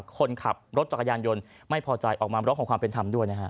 คนขับรถจักรยานยนต์ไม่พอใจออกมาร้องขอความเป็นธรรมด้วยนะฮะ